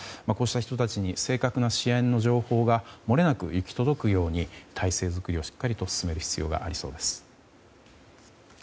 こうした人たちに正確な支援の情報がもれなく行き届くように体制づくりをしっかり進める必要がありそうです。